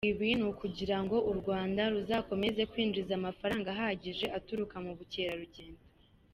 Ibi ni ukugira ngo u Rwanda ruzakomeze kwinjiza amafaranga ahagije aturuka mu Bukerarugendo.